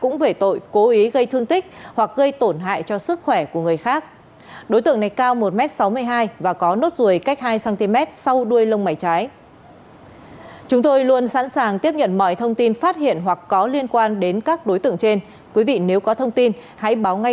cũng phạm tội cố ý gây thương tích hoặc gây tổn hại cho sức khỏe của người khác và phải nhận quyết định truy nã của công an thành phố trí linh tỉnh hải dương là đối tượng trần trọng hiệp sinh năm một nghìn chín trăm chín mươi hai hộ khẩu thường trú tại số hai mươi b trên bốn mươi tám